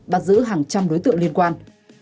bắt giữ hàng trăm đối tượng liên quan